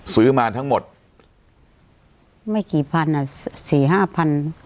ซื้อมาทั้งหมดไม่กี่พันอ่ะสี่ห้าพัน